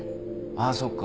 ああそっか。